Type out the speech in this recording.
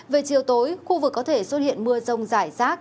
về chiều tối khu vực có thể xuất hiện mưa rông rải rác